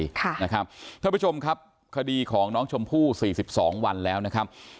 ท่านผู้ชมครับคดีของน้องชมพู่๔๒วันแล้วนะครับ